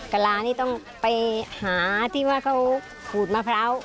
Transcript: กระลานี่ต้องไปหาที่ว่าเขาขูดมะพร้าว